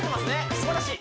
すばらしい！